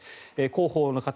広報の方